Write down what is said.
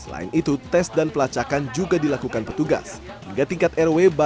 selain itu tes dan pelacakan juga dilakukan petugas hingga tingkat rw